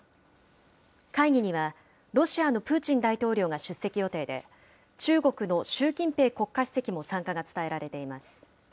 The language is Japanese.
会議にはロシアのプーチン大統領が出席予定で、中国の習近平国家主席も参加が伝えられています。